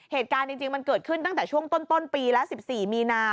เหตุการณ์จริงมันเกิดขึ้นตั้งแต่ช่วงต้นปีแล้ว๑๔มีนา